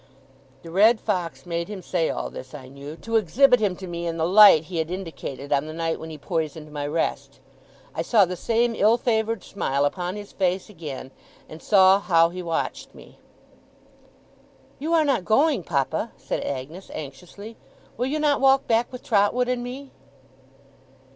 The red fox made him say all this, I knew, to exhibit him to me in the light he had indicated on the night when he poisoned my rest. I saw the same ill favoured smile upon his face again, and saw how he watched me. 'You are not going, papa?' said Agnes, anxiously. 'Will you not walk back with Trotwood and me?